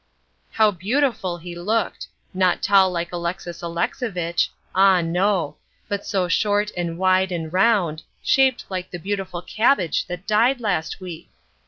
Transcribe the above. How beautiful he looked! Not tall like Alexis Alexovitch, ah, no! but so short and wide and round—shaped like the beautiful cabbage that died last week.